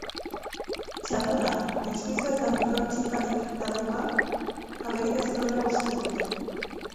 Txakurra, mestizoa eta mikrotxiparik gabekoa, jaberik ez duela uste dute.